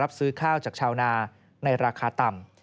ซื้อข้าวจากชาวนาในราคาต่ำ